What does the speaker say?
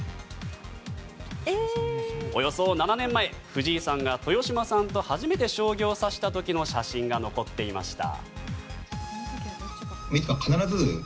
およそ７年前藤井さんが豊島さんと初めて将棋を指した時の写真が残っていました。